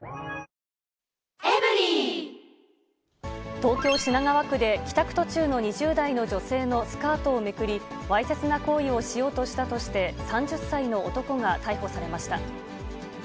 東京・品川区で、帰宅途中の２０代の女性のスカートをめくり、わいせつな行為をしようとしたとして、３０歳の男が逮捕されました。